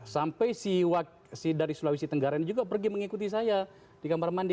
sampai si dari sulawesi tenggara ini juga pergi mengikuti saya di kamar mandi